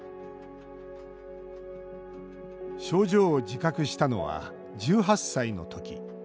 症状を自覚したのは１８歳の時。